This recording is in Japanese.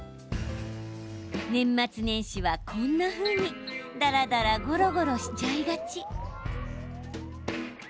年末年始は、こんなふうにだらだらゴロゴロしちゃいがち。